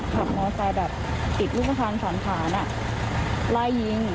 พักมอร์ไซด์แบบติดลูกค้างสอนไร้ยิง